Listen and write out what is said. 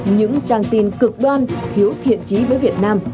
những trang tin cực đoan thiếu thiện trí với việt nam